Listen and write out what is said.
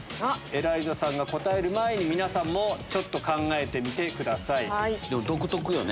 エライザさんが答える前に皆さんも考えてみてください。